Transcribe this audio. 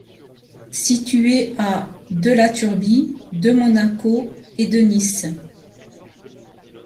Située à de La Turbie, de Monaco et de Nice.